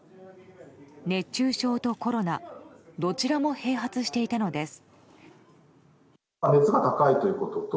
熱中症とコロナどちらも併発していたのです。